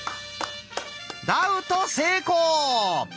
ダウト成功！